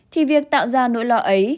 thì việc tạo ra nỗi lo ấy